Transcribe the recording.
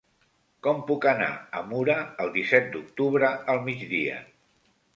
Com puc anar a Mura el disset d'octubre al migdia?